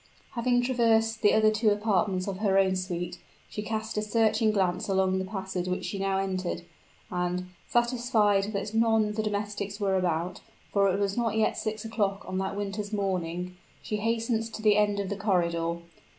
Having traversed the other two apartments of her own suit, she cast a searching glance along the passage which she now entered; and, satisfied that none of the domestics were about, for it was not yet six o'clock on that winter's morning, she hastened to the end of the corridor.